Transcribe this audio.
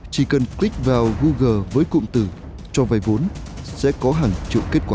chỉ cần click vào google với cụm từ cho vai vốn sẽ có hàng triệu kết quả